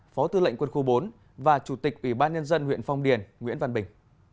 phó tư lệnh quân khu bốn và chủ tịch ủy ban nhân dân huyện phong điền nguyễn văn bình